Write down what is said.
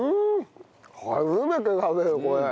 初めて食べるこれ。